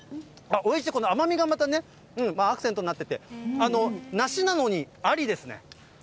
おいしい、この甘みがまたね、アクセントになってて、梨なのに、ありですね。